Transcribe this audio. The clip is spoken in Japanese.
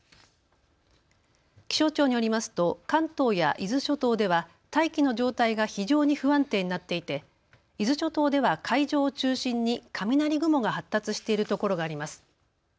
気象庁によりますと関東や伊豆諸島では大気の状態が非常に不安定になっていて伊豆諸島では海上を中心に雷雲が発達しているところがあります。